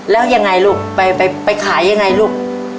แล้วยังไงลูกไปขายยังไงลูก